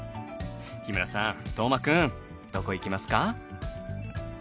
日村さん斗真くんどこ行きますか？